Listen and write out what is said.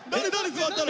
座ったの。